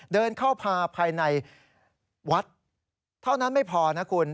เดินเข้าพาภายในวัดเท่านั้นไม่พอนะคุณ